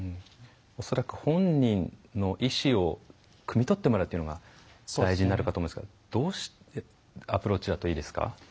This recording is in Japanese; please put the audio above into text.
恐らく本人の意思をくみ取ってもらうというのが大事になるかと思うんですがどうしたアプローチだといいですか？